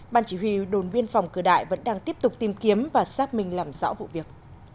ban chỉ huy đồn biên phòng cửa đại vẫn đang tiếp tục tìm kiếm và xác minh làm rõ vụ việc